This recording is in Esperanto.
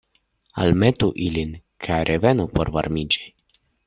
Almetu ilin, kaj revenu por varmiĝi.